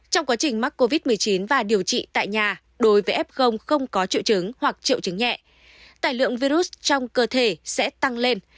trong quá trình mắc covid một mươi chín và điều trị tại nhà đối với f không có triệu chứng hoặc triệu chứng nhẹ tài lượng virus trong cơ thể sẽ tăng lên